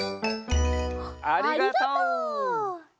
ありがとう！